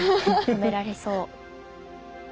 止められそう。